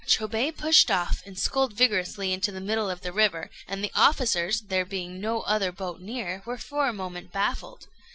Chôbei pushed off, and sculled vigorously into the middle of the river; and the officers there being no other boat near were for a moment baffled.